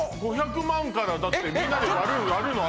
５００万からだってみんなで割るの？